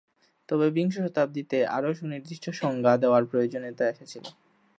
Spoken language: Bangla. তবে বিংশ শতাব্দীতে, আরও সুনির্দিষ্ট সংজ্ঞা দেওয়ার প্রয়োজনীয়তা এসেছিল।